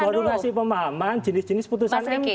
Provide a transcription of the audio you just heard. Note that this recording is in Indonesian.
saya baru kasih pemahaman jenis jenis putusan mk